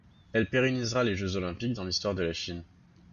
Elle pérennisera les Jeux olympiques dans l’histoire de la Chine.